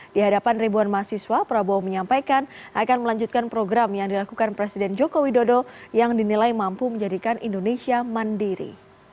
di hadapan ribuan mahasiswa prabowo menyampaikan akan melanjutkan program yang dilakukan presiden joko widodo yang dinilai mampu menjadikan indonesia mandiri